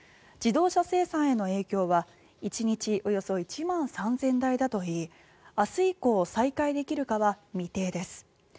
自動車生産への影響は１日およそ１万３０００台だといい明日以降、再開できるかは未定です。